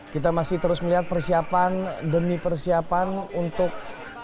kita masih terus melihat persiapan demi persiapan untuk